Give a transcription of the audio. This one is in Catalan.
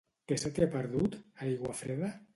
Què se t'hi ha perdut, a Aiguafreda?